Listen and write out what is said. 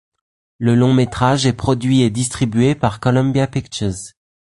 Le long-métrage est produit et distribué par Columbia Pictures.